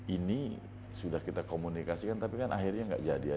ini sudah kita komunikasikan tapi kan akhirnya nggak jadi ya